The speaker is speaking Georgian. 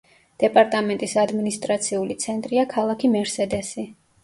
დეპარტამენტის ადმინისტრაციული ცენტრია ქალაქი მერსედესი.